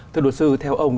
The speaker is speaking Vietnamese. thưa đối sư theo ông